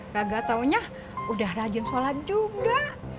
kagak taunya udah rajin sholat juga